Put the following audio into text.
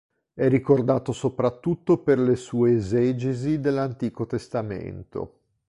È ricordato soprattutto per le sue esegesi dell'Antico Testamento.